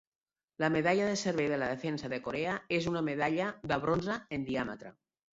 La medalla de servei de la defensa de Corea és una medalla de bronze en diàmetre.